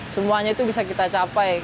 semuanya itu bisa kita capai